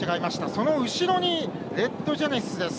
その後ろにレッドジェネシスです。